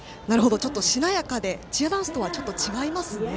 ちょっとしなやかでチアダンスとは違いますね。